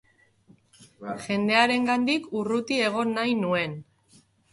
Jendearengandik urruti egon nahi nuen.